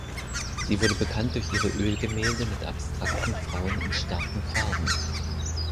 Sie wurde bekannt durch ihre Ölgemälde mit abstrakten Frauen in starken Farben.